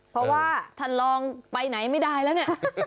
เพราะว่าท่านลองไปไหนไม่ได้แล้วเนี่ย